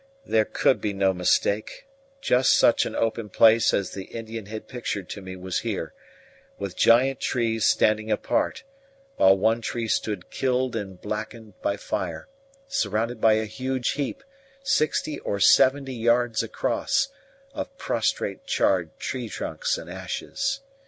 There could be no mistake: just such an open place as the Indian had pictured to me was here, with giant trees standing apart; while one tree stood killed and blackened by fire, surrounded by a huge heap, sixty or seventy yards across, of prostrate charred tree trunks and ashes.